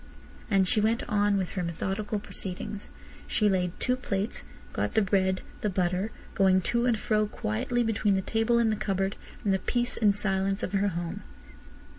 And she went on with her methodical proceedings. She laid two plates, got the bread, the butter, going to and fro quietly between the table and the cupboard in the peace and silence of her home.